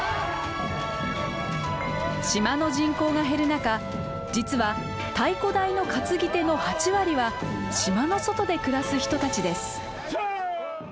島の人口が減る中実は太鼓台の担ぎ手の８割は島の外で暮らす人たちです。